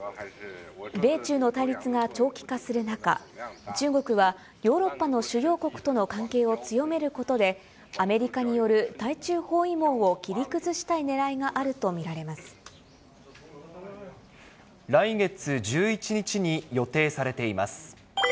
米中の対立が長期化する中、中国はヨーロッパの主要国との関係を強めることで、アメリカによる対中包囲網を切り崩したいねらいがあると見られま来月１１日に予定されています。